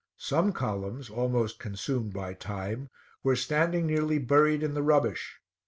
Some columns, almost consumed by time, were standing nearly buried in the rubbish.